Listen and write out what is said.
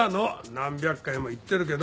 何百回も言ってるけど。